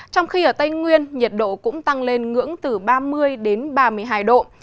trong khi ở tây nguyên nhiệt độ cũng tăng lên ngưỡng từ ba mươi đến ba mươi hai độ